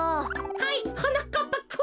はいはなかっぱくん。